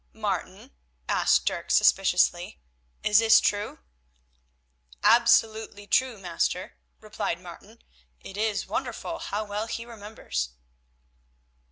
"Martin," asked Dirk, suspiciously, "is this true?" "Absolutely true, master," replied Martin; "it is wonderful how well he remembers."